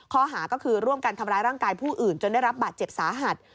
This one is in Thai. ข้อหาก็คือร่วมกันทำร้ายร่างกายผู้อื่นจนได้รับบาดเจ็บสาหัส